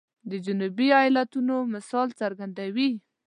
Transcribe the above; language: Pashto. د جنوبي ایالاتونو مثال څرګندوي.